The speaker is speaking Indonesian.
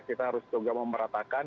kita harus juga memeratakan